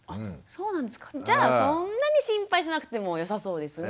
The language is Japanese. じゃあそんなに心配しなくてもよさそうですね。